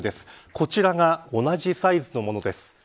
こちらが同じサイズのものです。